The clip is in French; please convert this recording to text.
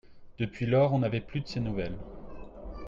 Depuis lors, on n'avait plus de ses nouvelles.